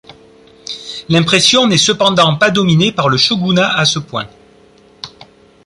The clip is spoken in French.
L'impression n'est cependant pas dominée par le shogunat à ce point.